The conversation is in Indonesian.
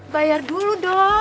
bayar dulu dong